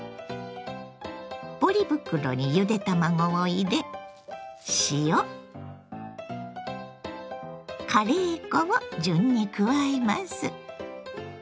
ポリ袋にゆで卵を入れ塩カレー粉を順に加えます。